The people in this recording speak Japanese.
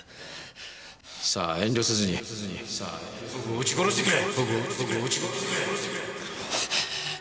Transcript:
さあ遠慮せずに僕を撃ち殺してくれ。